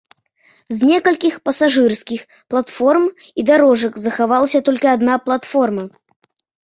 З некалькіх пасажырскіх платформ і дарожак захавалася толькі адна платформа.